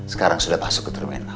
sekarang sudah masuk ke terminal